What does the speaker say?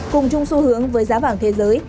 cùng chung xu hướng với giá vàng thế giới